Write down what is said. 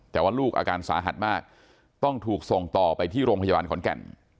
แต่ว่าลูกอาการสาหัสมากต้องถูกส่งต่อไปที่โรงพยาบาลขอนแก่น